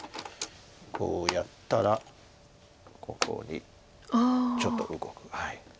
こうやったらここにちょっと動く。